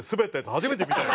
初めて見たよ。